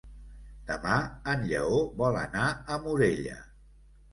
Demà en Lleó vol anar a Morella.